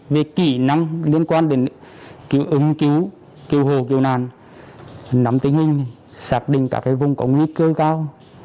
về kỹ năng liên quan đến ứng cứu cứu hồ cứu nàn nắm tính hình xác định các vùng có nguy cơ cao